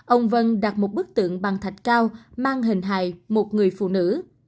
ông vân đặt một bức tượng bằng thạch cao mang hình hài một người phụ nữ